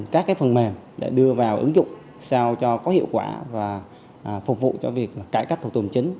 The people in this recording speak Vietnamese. các phần mềm để đưa vào ứng dụng sao cho có hiệu quả và phục vụ cho việc cải cách thủ tục hành chính